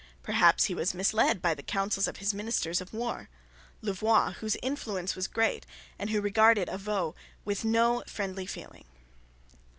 Perhaps he was misled by the counsels of his minister of war, Louvois, whose influence was great, and who regarded Avaux with no friendly feeling.